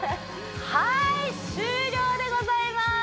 はい終了でございます